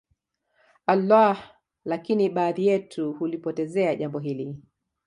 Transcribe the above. Allah lakini baadhi yetu hulipotezea Jambo hili